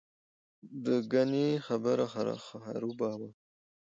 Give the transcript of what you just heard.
دګنې خبره خروبه وه.